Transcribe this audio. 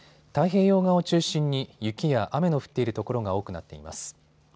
太平洋側を中心に雪や雨の降っている所が多くなっています。